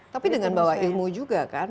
tapi dengan bawa ilmu juga kan